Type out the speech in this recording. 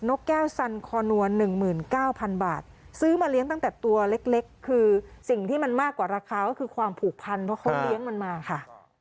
กแก้วสันคอนัว๑๙๐๐บาทซื้อมาเลี้ยงตั้งแต่ตัวเล็กคือสิ่งที่มันมากกว่าราคาก็คือความผูกพันเพราะเขาเลี้ยงมันมาค่ะ